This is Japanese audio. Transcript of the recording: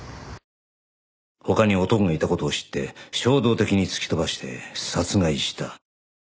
他に男がいた事を知って衝動的に突き飛ばして殺害した。